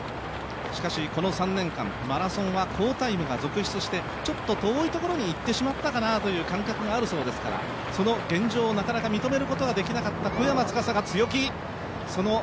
しかしこの３年間、マラソンは好タイムが続出してちょっと遠いところにいってしまったかなという感覚があるそうですから、その現状をなかなか認めることができなかった小山司が強き。